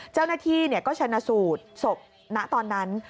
เจ้าหน้าที่ก็ชนะสูตรศพณตอนนั้น